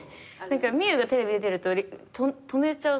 美優がテレビ出てると止めちゃう。